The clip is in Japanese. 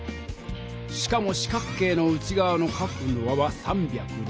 しかも四角形の内がわの角の和は３６０度。